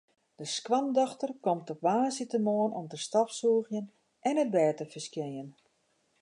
De skoandochter komt op woansdeitemoarn om te stofsûgjen en it bêd te ferskjinjen.